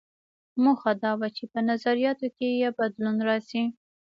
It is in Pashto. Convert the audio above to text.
موخه دا وه چې په نظریاتو کې یې بدلون راشي.